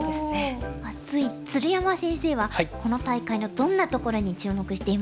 鶴山先生はこの大会のどんなところに注目していますか？